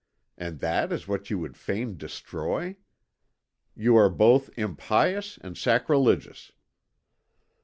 And that is what you would fain destroy? You are both impious and sacrilegious."